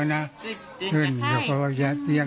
ไม่ต้องใช้เนี่ย